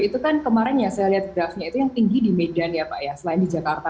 itu kan kemarin ya saya lihat draftnya itu yang tinggi di medan ya pak ya selain di jakarta